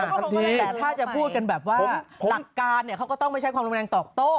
แต่ถ้าจะพูดกันแบบว่าหลักการเนี่ยเขาก็ต้องไม่ใช้ความรุนแรงตอบโต้